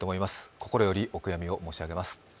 心よりお悔やみを申し上げます。